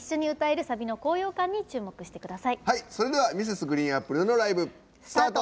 それでは Ｍｒｓ．ＧＲＥＥＮＡＰＰＬＥ のライブ、スタート。